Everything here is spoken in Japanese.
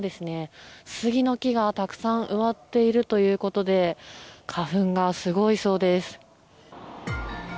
こちらの山ですねスギの木がたくさん植わっているということで花粉がすごいそうです。